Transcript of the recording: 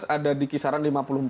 ada di kisaran lima puluh empat